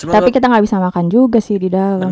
tapi kita nggak bisa makan juga sih di dalam